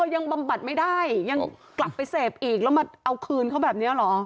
บำบัดไม่ได้ยังกลับไปเสพอีกแล้วมาเอาคืนเขาแบบนี้เหรอ